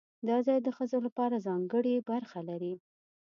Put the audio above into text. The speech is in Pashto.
دا ځای د ښځو لپاره ځانګړې برخه لري.